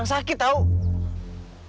tapi sekarang kepala ibu istri lu